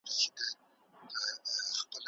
د کتاب پاڼې باید هیڅکله خرابې نه سي.